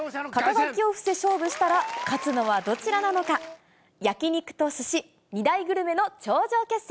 肩書を伏せ勝負したら、勝つのはどちらなのか、焼肉と鮨、２大グルメの頂上決戦。